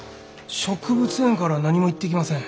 植物園からは何も言ってきません。